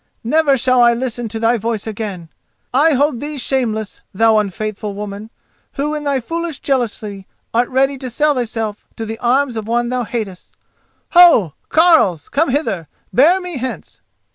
Never shall I listen to thy voice again. I hold thee shameless, thou unfaithful woman, who in thy foolish jealousy art ready to sell thyself to the arms of one thou hatest! Ho! carles; come hither. Bear me hence!"